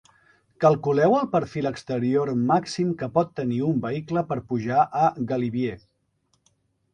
Calculeu el perfil exterior màxim que pot tenir un vehicle per pujar al Galibier.